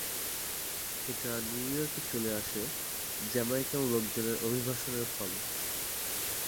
এটা নিউইয়র্কে চলে আসে জ্যামাইকান লোকজনের অভিবাসনের ফলে।